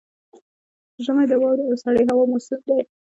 ژمی د واورو او سړې هوا موسم دی.